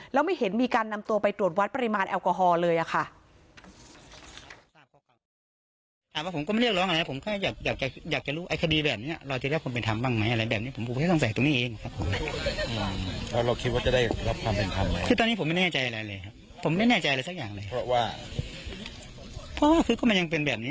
แล้วไม่เห็นมีการนำตัวไปตรวจวัดปริมาณแอลกอฮอล์เลยค่ะ